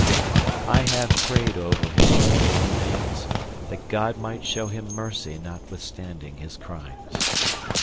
I have prayed over his mortal remains, that God might show him mercy notwithstanding his crimes.